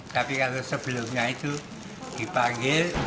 tapi kalau sebelumnya itu dipanggil